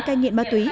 cai nghiện ma túy